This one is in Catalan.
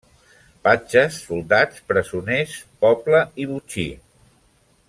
Patges, soldats, presoners, poble i botxí.